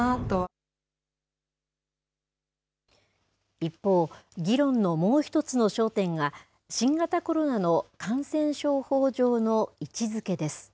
一方、議論のもう一つの焦点が、新型コロナの感染症法上の位置づけです。